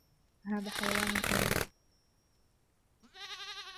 هذا حيوانٌ أليف.